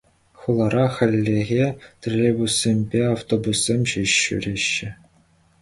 Хулара хальлӗхе троллейбуссемпе автобуссем ҫеҫ ҫӳреҫҫӗ.